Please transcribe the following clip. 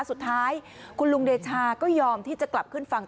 สุดท้ายคุณลุงเดชาก็ยอมที่จะกลับขึ้นฝั่ง